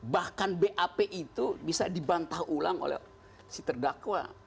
bahkan bap itu bisa dibantah ulang oleh si terdakwa